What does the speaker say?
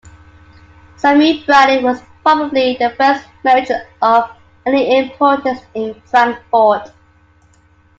Samuel Brady was probably the first merchant of any importance in Frankfort.